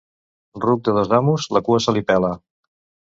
Ruc de dos amos, la cua se li pela.